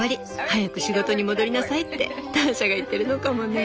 早く仕事に戻りなさい」ってターシャが言ってるのかもね。